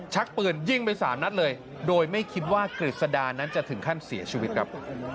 ชักปืนยิงไปสามนัดเลยโดยไม่คิดว่ากฤษดานั้นจะถึงขั้นเสียชีวิตครับ